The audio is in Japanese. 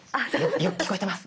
よく聞こえてます